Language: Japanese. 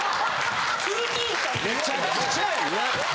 めちゃくちゃやな。